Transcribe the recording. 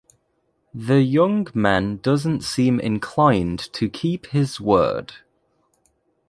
The young man doesn't seem inclined to keep his word.